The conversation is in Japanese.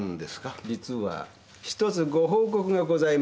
実はひとつご報告がございまして。